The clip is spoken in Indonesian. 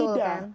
tahu betul kan